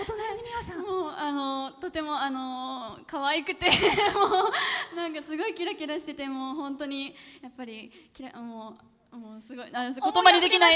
とてもかわいくてすごいキラキラしてて本当に言葉にできない！